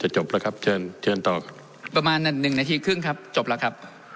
จบแล้วครับ